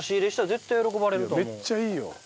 めっちゃいいよ。